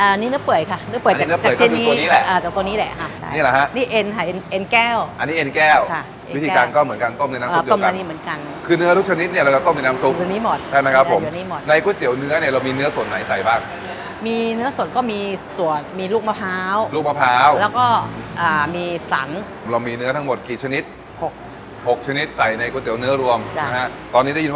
อันนี้เนื้อเป่ยค่ะเนื้อเป่ยจากชนิดนี้จากตัวนี้แหละอันนี้เนื้อเป่ยค่ะเนื้อเป่ยจากชนิดนี้อันนี้เนื้อเป่ยค่ะเนื้อเป่ยจากชนิดนี้อันนี้เนื้อเป่ยค่ะเนื้อเป่ยจากชนิดนี้อันนี้เนื้อเป่ยค่ะเนื้อเป่ยจากชนิดนี้อันนี้เนื้อเป่ยค่ะเนื้อเป่ยจากชนิดนี้อันนี้เนื้อเป่ยจ